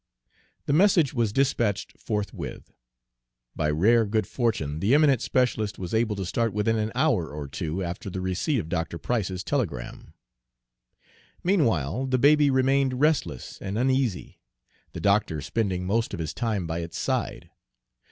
The message was dispatched forthwith. By rare good fortune the eminent specialist was able to start within an hour or two after the receipt of Dr. Price's telegram. Meanwhile the baby remained restless and uneasy, the doctor spending most of his time by its side.